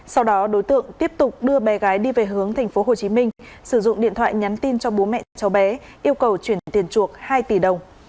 sau đó đối tượng tiếp tục đưa bé gái đi về hướng thành phố hồ chí minh sử dụng điện thoại nhắn tin cho bố mẹ cháu bé yêu cầu chuyển tiền trục hai tỷ đồng